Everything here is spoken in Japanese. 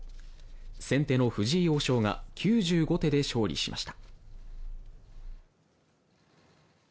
先手の藤井王将が９５手で勝利しました。